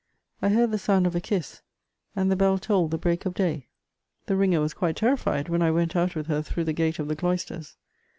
I heard the sound of a kiss, and the bell tolled the break of day. The ringer was quite terrified when I went out with her through the gate of the cloisters.